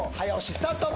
スタート